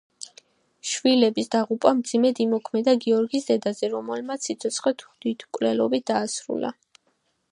შვილების დაღუპვამ მძიმედ იმოქმედა გიორგის დედაზე, რომელმაც სიცოცხლე თვითმკვლელობით დაასრულა.